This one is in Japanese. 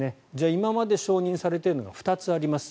今まで承認されているのが２つあります。